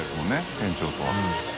店長とは。